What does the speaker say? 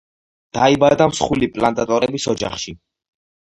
დაიბადა მსხვილი პლანტატორების ოჯახში.